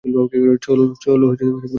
চলো ভেতরে চলো।